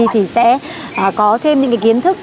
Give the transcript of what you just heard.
thì sẽ có thêm những cái kiến thức